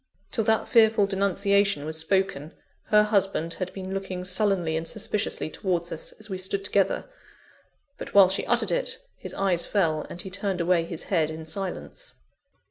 Till that fearful denunciation was spoken, her husband had been looking sullenly and suspiciously towards us, as we stood together; but while she uttered it, his eyes fell, and he turned away his head in silence.